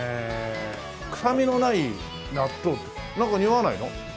臭みのない納豆なんかにおわないの？